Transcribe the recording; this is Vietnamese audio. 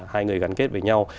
hai người gắn kết với nhau